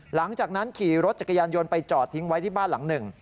หลังจากนั้นขี่รถจักรยานยนต์ไปจอดทิ้งไว้ที่บ้านหลังหนึ่ง